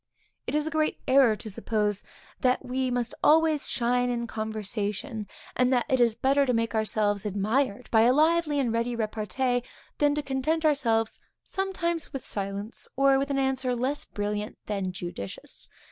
It is a great error to suppose that we must always shine in conversation, and that it is better to make ourselves admired by a lively and ready repartee, than to content ourselves sometimes with silence, or with an answer less brilliant than judicious.